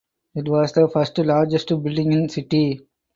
It was the first largest building in city.